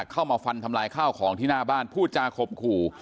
เข้ามาฟันทำลายข้าวของที่หน้าบ้านพูดจาคมขู่